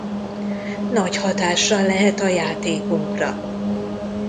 Nagy hatással lehet a játékunkra.